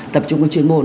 tập trung vào chuyên môn